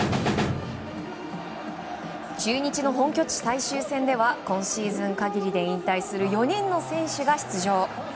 中日の本拠地最終戦では今シーズン限りで引退する４人の選手が出場。